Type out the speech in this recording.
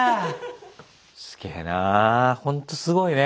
すげぇなあほんとすごいね。